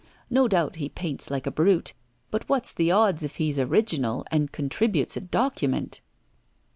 No doubt he paints like a brute. But what's the odds if he's original, and contributes a document?